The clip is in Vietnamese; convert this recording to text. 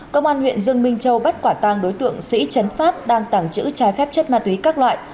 công an huyện dương minh châu bắt quả tang đối tượng sĩ chấn phát đang tàng trữ trái phép chất ma túy các loại